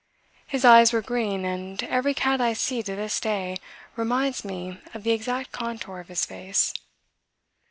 His eyes were green and every cat I see to this day reminds me of the exact contour of his face.